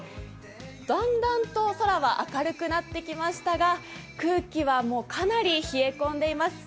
だんだんと空は明るくなってきましたが、空気はかなり冷え込んでいます。